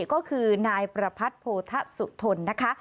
ก็คือนายประพัทธ์โพธสุทนนะคะ